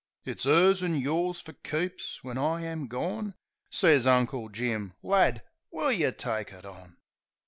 "It's 'er's an' yours fer keeps when I am gone,'' Sez Uncle Jim. "Lad, will yeh take it on?"